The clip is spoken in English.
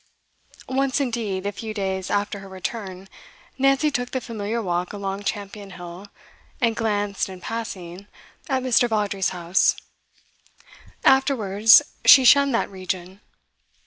Once, indeed, a few days after her return, Nancy took the familiar walk along Champion Hill, and glanced, in passing, at Mr. Vawdrey's house; afterwards, she shunned that region.